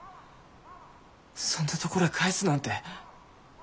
そんなところへ帰すなんて。